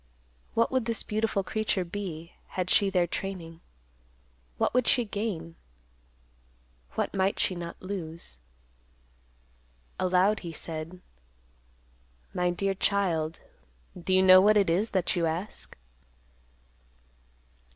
What would this beautiful creature be, had she their training? What would she gain? What might she not lose? Aloud he said, "My dear child, do you know what it is that you ask?"